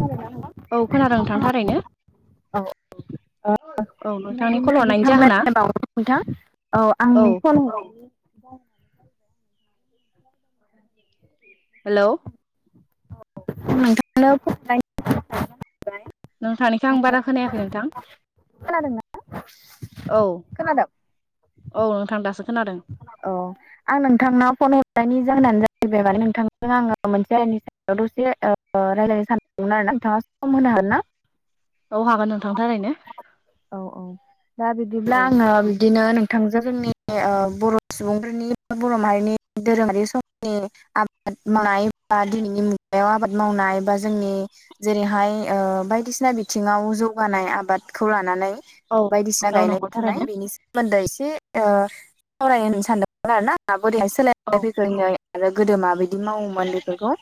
खोनादोंना औ खोनादों नोंथां थारैनो। औ औ। ओ औ नोंथांनि कल मोनाबिलिनि हरनायनि जाहोना हामग्लायनाय बावहरबाय नोंथां। औ आं फन हर [inaudible] हेलौ। औ। आं नोंथांनाव फन हरनायनि नोंथांनिखो आं बारा खोनायाखै नोंथां। खोनादोंना औ खोनादों? औ नोंथां दासो खोनादों। औ आं नोंथांनाव फन हरनायनि जाहोनानो जाहैबाय माने नोंथांजों आङो मोनसे आइनि सा दसे ओ रायज्लायनो सानदोंमोन आरोना। नोंथाङा सम होनो हागोन ना? औ हागोन नोंथां थारैनो। औ औ। दा बिदिब्ला औ आङो बिदिनो नोंथांजो ओ जोंनि बर' सुबुंफोरनि बर' माहारिनि धोरोमारि समनि आबाद मावनाय बा दिनैनि मुगायाव आबाद मावनाय बा जोंनि जेरैहाय ओ बायदिसिना बिथिङाव जौगानाय आबादखौ लानानै औ बायदिसिना औ गायनाय नंगौ फुनाय थारैनो बिनिस सोमोन्दै एसे ओ सावराय होनो सानदोंमोन आरो ना बोरैहाय सोलायनाय औ फैखो इनै आरो गोदो माबायदि मावोमोन बेफोरखौ‌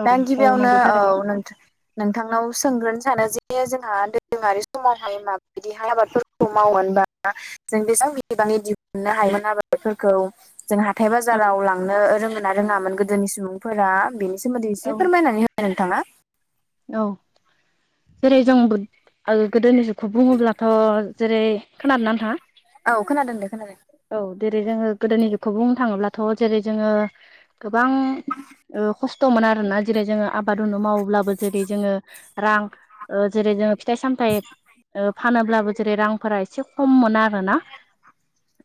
औ दा औ गिबियावनो नंगौ औ थारैनो नोंथा नोंथांनाव सोंग्रोनो सानो जे जोंहा दोरोङारि समावहाय माबायदिहाय आबादफोर खौ मावमोन बा जों बेसेबां बिनिबाङै दिहुननो हायोमोन आबा दफोरखौ जों हाथाय औ बाजाराव लांनो रोङो ना रोङामोन गोदोनि सुबुंफोरा बिनिस सोमोन्दै एसे औ फोरमायनानै होनाय नोंथाङा। औ जेरै जों बुद ओ गोदोनि जुगखौ बुङोब्लाथ' जेरै खोनादोंना नोथाङा? औ खोनादों दे खोनादों। औ देरै जोङो गोदोनिखौ बुंनो थाङोब्लाथ' जेरै जोङो गोबां ओ खस्थ'मोन आरोना जेरै जोङो आबाद उनु मावोब्लाबो जेरै जोङो रां ओ जेरै जोङो फिथाइ सामथाय ओ फानोब्लाबो जेरै रांफोरा एसे खममोन आरोना।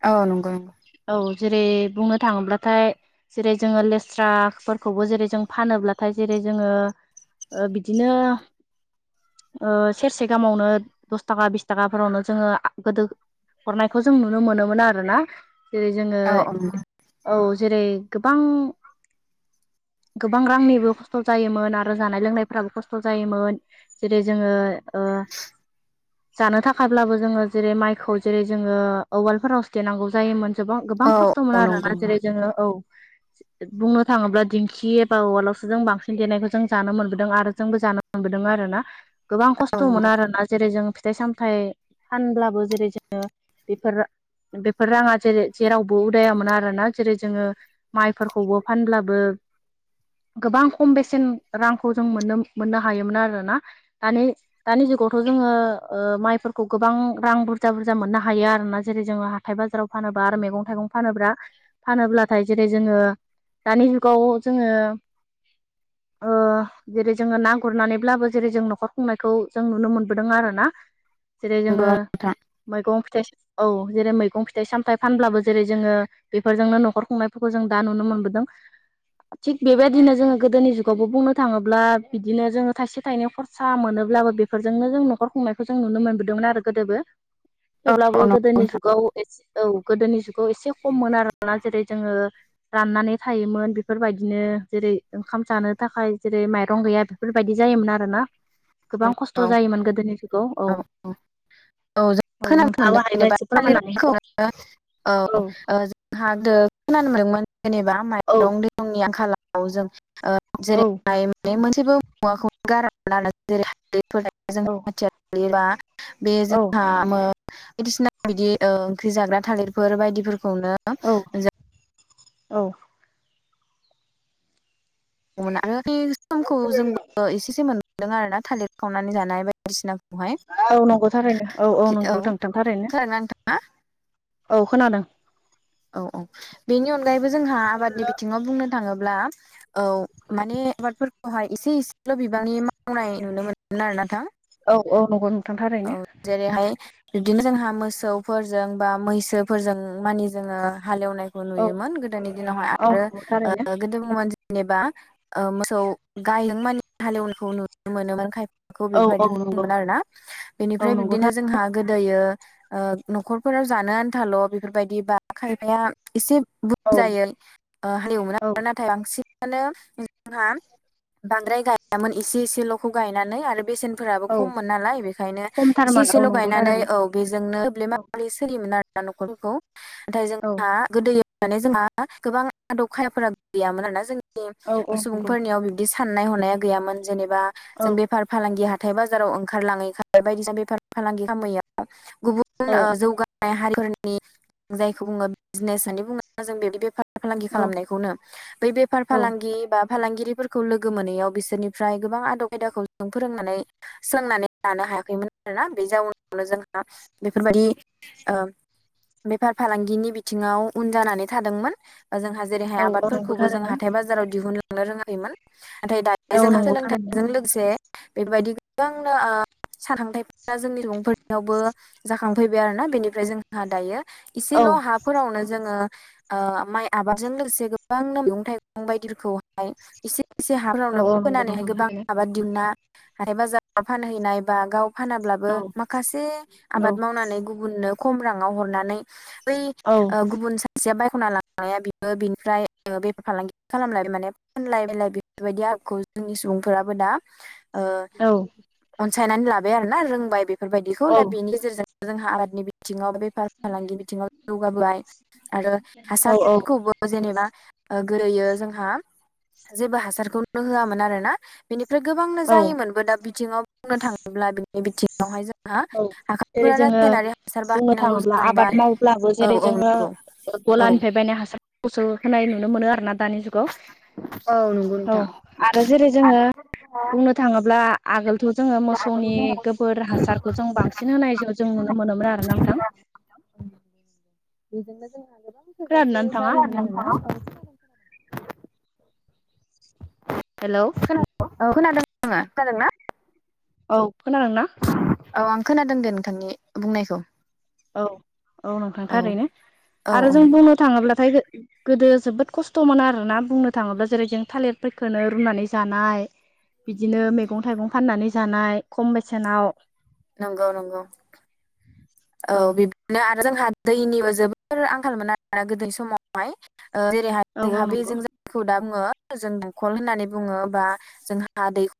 औ नंगौ नंगौ। औ जेरै बुंनो थाङोब्लाथाय जेरै जोङो लेस्राफोरखौबो जेरै जों फानोब्लाथाय जेरै जोङो ओ बिदिनो ओ सेरसे गाहामावनो दस थाखा बिस थाखाफोरावनो जोङो आ गोदो हरनायखौ जों नुनो मोनोमोन आरोना। जेरै जोङो औ औ नंगौ औ जेरै गोबां गोबां रांनिबो खस्थ' जायोमोन आरो जानाय लोंनाय फ्राबो खस्थ' जायोमोन जेरै जोङो ओ जानो थाखायाब्लाबो जोङो जेरै माइखौ जेरै जोङो औवालफोराव सो देनांगौ जायोमोन। जोबां गोबां औ खस्थ' औ मोनो नंगौ आरोना नंगौ जेरै जोङो औ। बुंनो थाङोब्ला दिंखि एबा औवालावसो जों बांसिन देनायखौ जों जानो मोनबो दों आरो जोंबो जानो मोनबोदों आरोना। गोबां औ खस्थ'मोन नंगौ आरोना। जेरै जों फिथाइ सामथाइ फानब्लाबो जेरै जोङो बेफोर बेफोर राङा जेरै जेरावबो उदायामोन आरोना। जेरै जोङो माइफोरखौबो फानब्लाबो गोबां खम बेसेन रां खौ जों मोननो मोननो हायोमोन आरोना। दानि दानि जुगावथ' जोङो ओ माइफोरखौ गोबां रां बुरजा बुरजा मोननो हायो आरोना जेरै जोङो हा हाथाय बाजाराव फानोब्ला आरो मैगं थाइगं फानोब्ला फानोब्लाथाय जेरै जोङो दानि जुगाव जोङो ओ जेरै जोङो ना गुरनानैब्लाबो जेरै जों न'खर खुंनायखौ जों नुनो मोनबोदों आरो ना जेरै जोङो नंगौ नोंथां मैगं फिथाइ औ जेरै मैगं फिथाइ सामथाइ फानब्लाबो जेरै जोङो बेफोरजोंनो न'खर खुंनायफोरखौ जों दा नुनो मोनबोदों थिग बेबायदिनो जोङो गोदोनि जुगावबो बुंनो थाङोब्ला ब्ला बिदिनो जोङो थाइसे थाइनै खरसा मोनोब्लाबो बेफोरजोंनो जों न'खर खुंनायखौ जों नुनो मोनबोदोंमोन आरो गोदोबो औ थेवब्लाबो औ नंगौ गोदोनि नोंथां जुगाव एसे औ गोदोनि जुगाव एसे खममोन आरो जेरै जोङो राननानै थायोमोन बेफोरबायदिनो जेरै ओंखाम जानो थाखाय जेरै माइरं गैया बेफोरबायदि जायोमोन आरोना गोबां नंगौ खस्थ' औ जायोमोन गोदोनि जुगाव औ औ जों खोनानो नोंथाङाबो मोनदों हायोबा जेनेबा एसे थालिर फोरमायनानै फोरखौनो औ हो आोंहा खोनानो मोनदोंमोन जेनेबा औ माइरं दैरंनि आंखालाव जों औ जेरैहाय माने मोनसेबो मुवाखौ गारामोन आरो जेरै [unintelligible] औ [unintelligible] बे औ जोंहा मो बायदिसिना बिदि ओंख्रि जाग्रा थालिरफोर बायदिफोरखौनो औ जा औ आरो बे समखौ जोंबो एसे एसे मोनबोदों आरोना थालिर खावनानै जानाय बा बायदिसिनाखौहाय औ नंगौ थारैनो औ औ नंगौ नोंथां थारैनो खोनादोंना नोथाङा औ खोनादों औ-औ बेनि अनगायैबो जोंहा आबादनि बिथिङाव बुंनो थाङोब्ला औ माने आबादफोरखौहाय एसे एसेल' बिबांनि मावनाय नुनो मोनोमोन आरोना नोंथां औ-औ नंगौ नोंथां औ थारैनो जेरैहाय बिदिनो जोंहा मोसौफोरजों बा मैसोफोरजों मानि जोङो हाले एवनाय खौ औ नुयोमोन गोदोनि दिनावहाय औ नंगौ थारैनो आरो गोदोमोन जेनेबा मोसौ गायजों मानि हाले एवनायखौ नुनो मोनोमोन खाय खौ औ औ बेफोरबायदि नंगौ बुंङोमोन आरोना औ बेनिफ्राय नंगौ बिब्दिनो थार जोंहा गोदोयो ओ न'खरफोराव जानो आन्थाल' बेफोरबायदि बा खायफाया एसे औ बुरजायै हालेवोन औ आरो नाथाय बांसिनानो जोंहा बांद्राय गायामोन एसे एसेल'खौ गायनानै आरो बेसेनफोराबो औ खममोन नालाय बेखायनो इसे खमथारमोन औ एसेल' नंगौ गायनानै थारैनो औ बेजोंनो थोब्ले औ माब्ले सोलियोमोन आरोना न'खरफोरखौ नाथाय औ जोंहा गोदोयै माने जोंहा गोबां आदब खायदाफोरा गैयामोन आरो औ जोंनि औ नंगौ सुबुंफोरनियाव बिदि साननाय हनाया गैयामोन जेनेबा औ जों बेफार फालांगि हाथाय बाजाराव ओंखारलाङै हाराय बायदिसिना बेफार फालांगि खामैयाव गुबुन औ जौगा नाय हारि फोरनि जायखौ बुङो बिजनेस होननानै बुङो जों बे बेफार फालांगि औ खालामनायखौनो बै बेफार औ फालांगि बा फालांगिरिफोरखौ लोगो मोनैयाव बिसोरनिफ्राय गोबां आदब खायदाखौ फोरोंनानै सोलोंनानै लानो हायाखैमोन आरोना बे जाउनावनो जोंहा बेफोरबायदि बेफार फालांगिनि बिथिङाव उन जानानै थादोंमोन जोंहा जेरैहाय औ औ नंगौ आबादफोरखौबो जों थारैनो हाथाय बाजार जाराव दिहुनलांनो रोङाखैमोन नाथाय दायो औ जोंहा नंगौ थारैनो सोलोंथाइजों लोगोसे बेफोरबायदि गोबांनो साखांथायफोरा जोंनि सुबुंफोरनियावबो जाखांफैबाय आरोना बेनिफ्राय जोंहा दायो औ इसेल' हाफोरावनो जोङो ओ माइ आबादजों लोगोसे गोबां मैगं थाइगं बायदिखौहाय एसे एसे औ हाफोरावनो औ नंगौ फोनानैहाय नोंथां गोबां थारैनो आबाद दिहुनना हाथाय बाजाराव फानहैनाय बा गाव फानाब्लाबो औ माखासे औ आबाद मावनानै गुबुननो खम राङाव हरनानै बै औ ओ गुबुन सा सासेया बायख'ना लाङो बिबो बिनिफ्राय बेफार फालांगि खालामलायबाय माने फानलाय बायलाय बे फोरबायदि आदबखौ जोंनि सुबुंफोराबो दा ओ औ। अनसायनानै लाबाय आरोना रोंबाय बेफोरबायदिखौ दा बेनि गेजेरजों जोंहा आबादनि बिथिङाव बे बेफार फालांगि बिथिङाव जौगाबाय आरो औ औ हासारफोरखौबो जेनेबा ओ गोरैयो जोंहा जेबो हासारखौनो होआमोन आरो ना। बिनिफ्राय गोबांनो औ जायोमोनबो दा बिथिङाव बुंनो थाङोब्ला बिनि बिथिङावहाय जों हा औ जेरै हाखारफोरा जोङो रासायनारि हासार बुंनो बाहायनांगौ थाङोब्ला आबाद जालांबाय मावब्लाबो औ जेरै औ जोङो नंगौ। औ गलानिफ्राय बायनाय हासारखौसो होनाय नुनो मोनो आरो ना दानि जुगाव। नंगौ औ नोंथां आरो जेरै जोङो बुंनो थाङोब्ला आगोलथ' जोङो मोसौनि बेजोंनो गोबोर हासार आं बांसिन होनाय जों नुनो मोनोमोन आरो ना नोंथां। बेजोंनो जोंहा गोबां थोजासे खोनादोंना नोंथाङा हेलौ [unintelligible] [unintelligible] [inaudible] खोना औ खोनादों। [unintelligible] खोनादोंना? औ खोनादों ना? औ आं खोनादों दे नोंथांनि बुंनायखौ। औ औ नोंथां थारैनो औ औ आरो जों बुंनो थाङोब्लाथाय गो गोदो जोबोद खस्थ' मोनो आरोना बुंनो थाङोब्ला जेरै जों थालिर फोरखोनो रुनानै जानाय। बिदिनो मैगं थाइगं फाननानै जानाय खम बेसेनाव। नंगौ नंगौ। औ बि आरो जोंहा दैनिबो जोबोर आंखाल मोन आरोना गोदो समावहाय ओ जेरैहाय औ औ जोंहा बे नंगौ जों जायखौ दा बुङो जों दंखल होननानै बुङो बा जोंहा दैख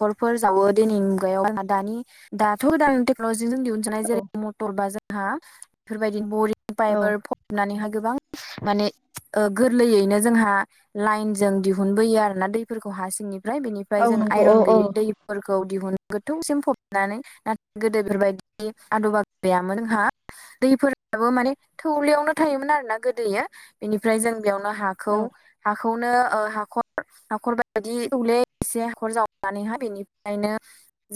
खलफोर जावो दिनैनि मुगायावहा दानि दाथ' [unintelligible] जों दिहुनजानाय औ जेरै मटर बा जोंहा बेफोरबायदि बरिं औ पाइपार हाबनानैहाय गोबां माने ओ गोरलैयैनो जोंहा लाइन जों दिहुनबोयो आरोना दैफोरखौ हा सिंनिफ्राय बेनिफ्राय औ जों नंगौ औ आइरन औ गैयै दै दैफोरखौ दिहुननो गोथौसिम फबनानै नाथाय गोदो बेफोरबायदि आदबा गैयामोन जोंहा। दैफोराबो माने थौलयावनो थायोमोन आरो ना गोदोयो बेनिफ्राय जों बेयावनो हा खौ औ हाखौनो ओ हाखर हाखर बायदि थौले एसे हाखर जाव साननानैहाय बेनिफ्रायनो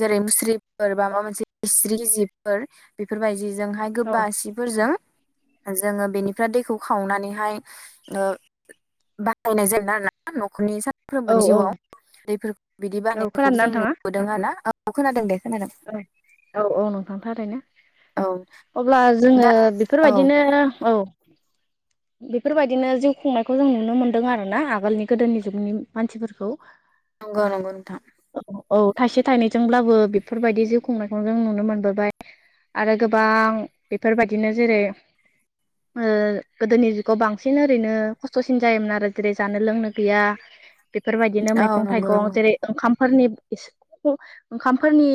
जेरै मुस्रिफोर बा माबा मोनसे इस्रि जिफोर बेफोरबायदिजोंहाय औ गोबा सि फोरजों जोङो बेनिफ्राय दैखौ खावनानैहाय ओ बाहायनाय जायो ना न'खरनि औ सानफ्रोमबोनि औ जिउआव दै बिदि औ बानायनायखौबो खोनादोंना जों नोंथाङा नुबोदों। दों आरोना औ खोनादों दे खोनादों। औ औ नोंथां थारैनो। औ अब्ला दा जोङो औ बेफोरबायदिनो औ [inaudible] बेफोरबायदिनो जिउ खुंनायखौ जों नुनो मोनदों आरो ना आगोलनि गोदोनि जुगनि मानसिफोरखौ। नंगौ नंगौ नोंथां। औ औ थाइसे थाइनैजोंब्लाबो बेफोरबायदि जिउ खुंनायखौ जों नुनो मोनबोबाय। आरो गोबां बेफोरबायदिनो जेरै [inaudible] गोदोनि जुगाव बांसिन ओरैनो खस्थ'सिन जायोमोन आरो जेरै जानो लोंनो गैया। बेफोरबायदिनो औ मैगं नंगौ थाइगं नंगौ जेरै ओंखामफोरनि ओंखाम। फोरनि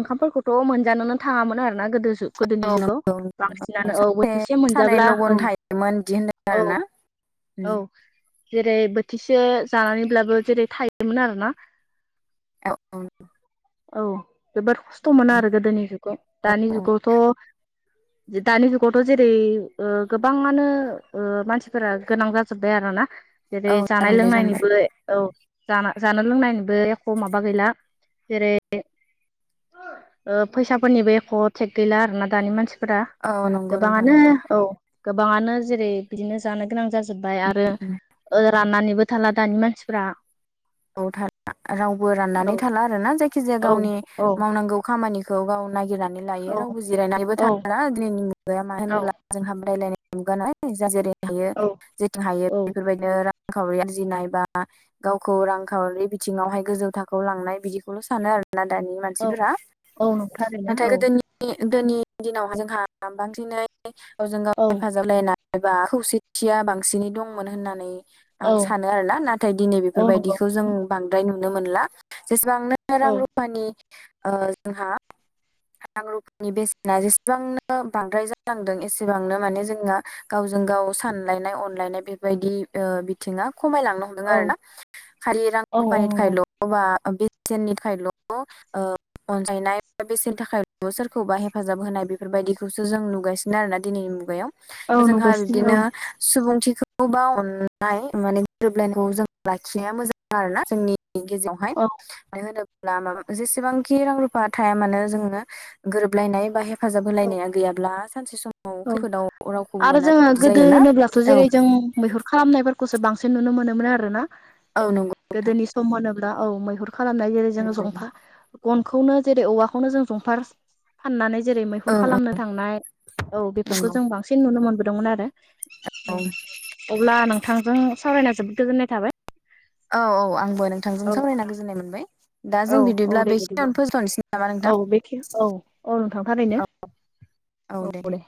ओंखामफोरखौथ' मोनजानोनो थाङामोन आरोना गोदो जुग गोदोनि औ जुगाव नंगौ बांसिनानो औ सासे बोथिसे सानै मोनजाब्ला लगन औ थायोमोन बिदि होनदों औ। आरोना उम औ जेरै बोथिसे जानानैब्लाबो जेरै थायोमोन आरोना। औ औ औ जोबोद खस्थ'मोन आरो गोदोनि जुगाव दानि औ जुगावथ' दानि जुगावथ' जेरै ओ गोबाङानो ओ मानसिफोरा गोनां जा जोब्बाय आरो ना औ जेरै जानाय जालांबाय जालांबाय लोंनायनिबो औ जा जानाय लोंनायनिबो एख' माबा गैला जेरै ओ फैसाफोरनिबो एख' टेक गैला आरोना दानि मानसि फोरा औ नंगौ नोंथां गोबाङानो नंगौ औ गोबाङानो जेरै बिदिनो जानो गोनां जाजोबबाय आरो ओ राननानैबो थाला दानि मानसिफ्रा औ थाला रावबो औ राननानै थाला आरोना जायखि जाया औ गावनि औ मावनांगौ खामानिखौ गाव नागिरनानै लायो औ रावबो जिरायनानैबो औ थाला दिनैनि मुगाया मानो औ होनब्ला जोंहा बादायलायनाय मुगानालाय जाय जेरै हायो औ जेथिं हायो औ बेफोरबायदि नो रांखावरि आरजिनाय बा [inaudible] रांखावरि बिथिङावहाय गोजौ थाखोआव लांनाय बिदिखौल' सानो आरो। ना दानि औ मानसिफोरा। औ थारैनो नाथाय औ गोदोनि गोदोनोनि दिनाव जोंहा बांसिनै गावजों गाव औ हेफाजाब होलायनाय एबा खौसेथिया बांसिनै दंमोन होननानै आं औ सानो आरो ना नाथाय दिनै औ नंगौ बेफोरबायदिखौ जों बांद्राय नुनो मोनला जेसेबांनो औ रां रुफानि ओ जोंहा रां रुफानि बेसेना जेसेबांनो बांद्राय जालांदों एसेबांनो माने जोंना गावजों गाव सानलायनाय अनलायनाय बेबायदि बिथिङा खमायलांनो हम दों औ आरो ना औ खालि रां औ रुफानि नंगौ थाखायल' अब्ला बेसेननि थाखायल' अनजायनाय बेसेन नि थाखायल' सोरखौबा हेफाजाब होनाय बेफोरबायदिखौसो जों नुगासिनो आरो ना दिनैनि मुगायाव। औ जोंहा नुगासिनो बिबदिनो औ सुबुंथिखौ बा अननाय माने गोरोबलायनायखौ जों लाखिनाया मोजां आरो ना जोंनि जोंनि गेजेरावहाय औ मानो होनोब्ला माबा जेसेबांखि रां रुफा थाया मानो जोङो गोरोबलायनाय बा हे हेफाजाब औ होलायनाया गैयाब्ला सानसे समाव औ खैफोदाव रावखौबो आरो मोना जोङो बिदि गोदो जायोना होनोब्लाथ' औ। जेरै जों मैहुर खालामनायफोरखौसो बांसिन नुनो मोनोमोनो आरो ना। औ नंगौ। नोंथां गोदोनि सम होनोब्ला औ मैहुर खालामनाय जेरै जों नंगौ जंफा गनखौनो जेरै औवाखौनो जों जंफार फाननानै जेरै मैहुर ओं ओं खालामनो थांनाय औ बेफोरखौ नंगौ जों बांसिन नुनो मोनबोदोंमोन आरो औ। अब्ला नोंथांजों सावरायनाय जोबोद गोजोननाय थाबाय। औ औ आंबो नों नोंथांजों औ सावरायना नोंथां गोजोननाय मोनबाय दा औ जों औ बिदिब्ला दे बेखिनियावनो फोजोबथ'नोसै नामा औ नोंथां। बेखे औ औ नोंथां थारैनो औ दे।